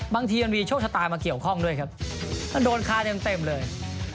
บางทีมันมีโชคชะตามาเกี่ยวข้องด้วยครับมันโดนคาเต็มเลย